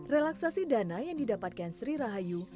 relaksasi dana yang didapatkan sri rahayu